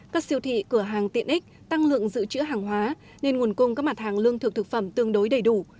các siêu thị cửa hàng tiện ích tăng lượng dự trữ hàng hóa nên nguồn cung các mặt hàng lương thực thực phẩm tương đối đầy đủ